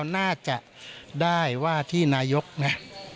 น่าจะได้ว่าที่นายกนะ